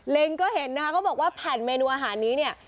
เล็งก็เห็นนะคะก็บอกว่าผ่านเมนูอาหารนี้